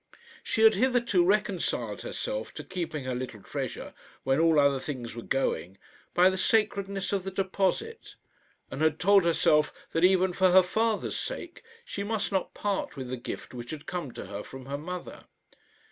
She had hitherto reconciled herself to keeping her little treasure, when all other things were going, by the sacredness of the deposit; and had told herself that even for her father's sake she must not part with the gift which had come to her from her mother.